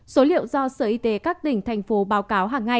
số liệu do sở y tế các tỉnh thành phố báo cáo hàng ngày